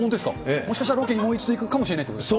もしかしたらロケにもう一度行くかもしれないということですか？